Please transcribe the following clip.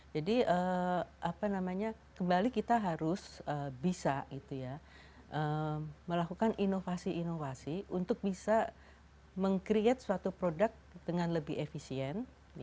jadi apa namanya kembali kita harus bisa melakukan inovasi inovasi untuk bisa meng create suatu produk dengan lebih efisien